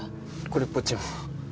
これっぽっちも。